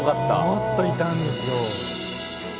もっといたんですよ！